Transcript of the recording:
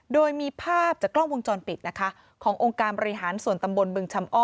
โดยมีภาพจากกล้องวงจรปิดนะคะขององค์การบริหารส่วนตำบลบึงชำอ้อ